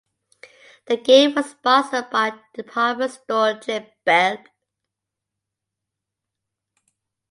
The game was sponsored by department store chain Belk.